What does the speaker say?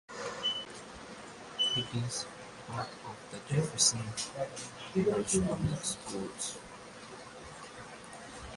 It is part of the Jefferson Parish Public Schools.